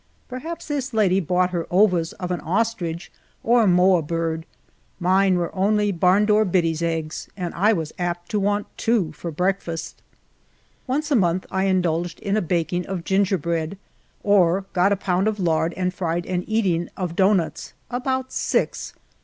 Perhaps this lady bought her ovas of an ostrich or a moa bird ; mine were only barn door biddies' eggs, and I was apt to want two tor breakfast. Once a month I indulged in a baking of gingerbread, or got a pound of lard and fried an eating of doughnuts, about six. I 8 HALF A DIME A DAY..